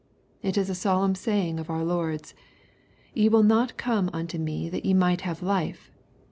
It is a solemn saying of our Lord's, " Ye will not come unto me that ye might have life."